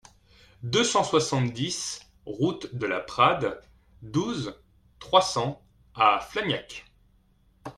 deux cent soixante-dix route de la Prade, douze, trois cents à Flagnac